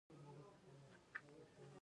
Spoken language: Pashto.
افغانستان د زراعت کوربه دی.